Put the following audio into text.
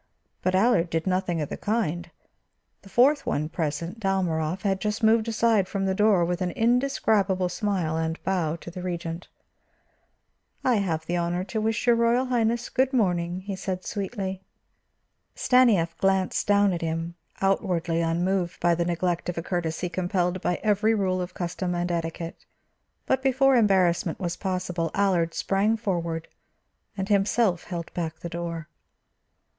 But Allard did nothing of the kind. The fourth one present, Dalmorov, had just moved aside from the door with an indescribable smile and bow to the Regent. "I have the honor to wish your Royal Highness good morning," he said sweetly. Stanief glanced down at him, outwardly unmoved by the neglect of a courtesy compelled by every rule of custom and etiquette; but before embarrassment was possible Allard sprang forward and himself held back the door.